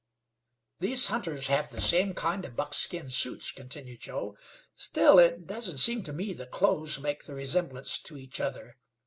"These hunters have the same kind of buckskin suits," continued Joe; "still, it doesn't seem to me the clothes make the resemblance to each other.